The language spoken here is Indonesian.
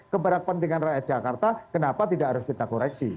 keberakpan dengan rakyat jakarta kenapa tidak harus kita koreksi